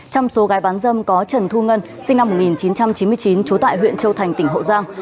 trong số gái bán dâm có trần thu ngân sinh năm một nghìn chín trăm chín mươi chín trú tại huyện châu thành tỉnh hậu giang